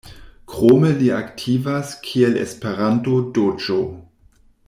Krome li aktivas kiel Esperanto-DĴ.